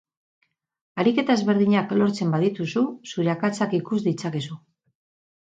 Ariketa ezberdinak lortzen badituzu zure akatsak ikus ditzakezu.